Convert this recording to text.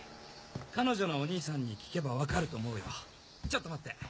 彼女のお兄さんに聞けば分かると思うよちょっと待って。